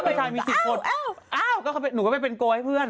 ผู้ชายมี๑๐คนหนูก็ไปเป็นโกยให้เพื่อน